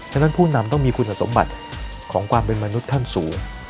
ฉะนั้นผู้นำต้องมีคุณสมบัติของความเป็นมนุษย์ขั้นสูง